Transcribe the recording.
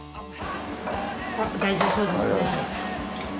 大丈夫そうですね。